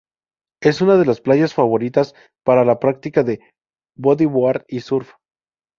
Es una de las playas favoritas para la práctica de bodyboard y surf.